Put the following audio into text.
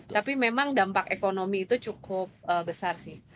tapi memang dampak ekonomi itu cukup besar sih